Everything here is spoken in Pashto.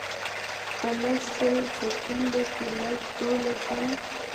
پۀ لس شل سیکنډه کښې لس دولس ځله